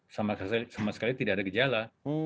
sama sekali tidak ada gejala